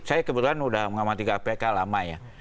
saya kebetulan sudah mengamati kpk lama ya